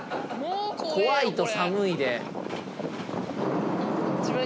「怖いと寒いで」